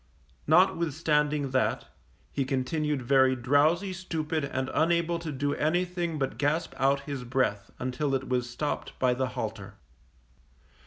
Notwithstanding that, he continued very drowsy, stupid and unable to do anything but gasp out his breath until it was stopped by the halter.